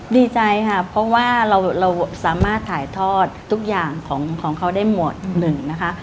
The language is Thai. ดีใจค่ะเพราะว่าเราสามารถถ่ายทอดทุกอย่างของเขาได้หมดหนึ่งนะคะ